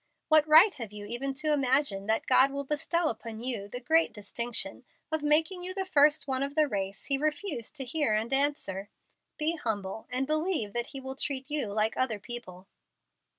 What right have you even to imagine that God will bestow upon you the great distinction of making you the first one of the race He refused to hear and answer? Be humble and believe that He will treat you like other people."